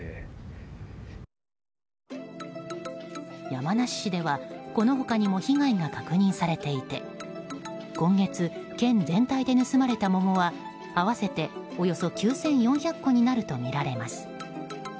山梨市では、この他にも被害が確認されていて今月、県全体で盗まれた桃は合わせておよそ９４００個になるとみられます。